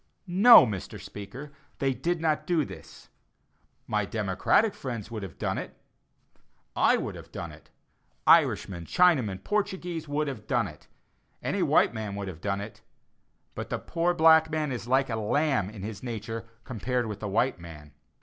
No, Mr. Speaker, they did not do this. My "democratic" friends would have done it. I would have done it. Irishmen, Chinamen, Portuguese, would have done it; any white man would have done it; but the poor black man is like a lamb in his nature compared with the white man.